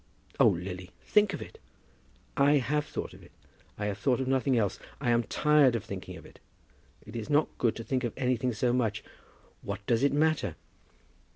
"Oh, Lily, think of it." "I have thought of it. I have thought of nothing else. I am tired of thinking of it. It is not good to think of anything so much. What does it matter?"